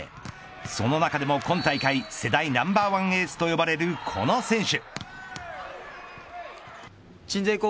その中でも今大会世代ナンバーワンエースと呼ばれるこの選手。